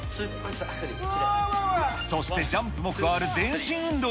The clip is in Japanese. そしてジャンプも加わる全身運動